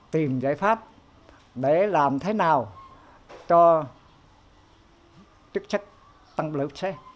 tìm giải pháp để làm thế nào cho chức sách tăng lượng xe